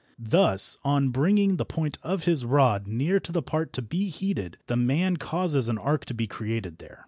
Thus on bringing the point of his rod near to the part to be heated the man causes an arc to be created there.